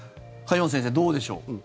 梶本先生、どうでしょう？